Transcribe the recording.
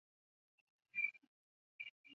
围口冠蛭蚓为蛭蚓科冠蛭蚓属的动物。